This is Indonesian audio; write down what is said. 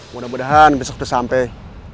mudah mudahan besok itu sampai